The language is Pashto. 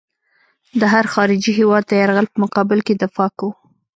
د هر خارجي هېواد د یرغل په مقابل کې دفاع کوو.